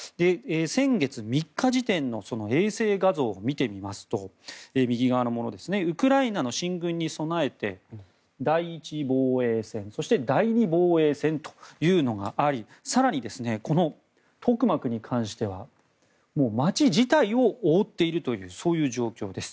先月３日時点の衛星画像を見てみますと右側のものですねウクライナ軍の進軍に備えて第１防衛線、そして第２防衛線というのがあり更に、このトクマクに関しては街自体を覆っているというそういう状況です。